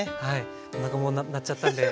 おなかも鳴っちゃったんで。